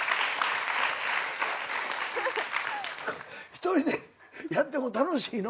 一人でやっても楽しいの？